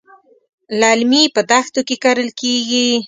للمي په دښتو کې کرل کېږي.